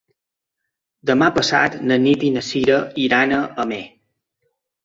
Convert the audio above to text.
Demà passat na Nit i na Sira iran a Amer.